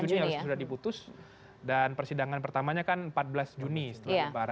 tujuh juni harus sudah diputus dan persidangan pertamanya kan empat belas juni setelah lebaran